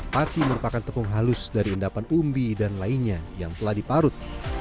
pati merupakan tepung halus dari endapan umbi dan lainnya yang telah diparut